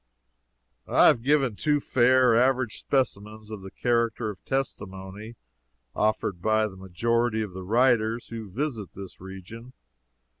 I have given two fair, average specimens of the character of the testimony offered by the majority of the writers who visit this region.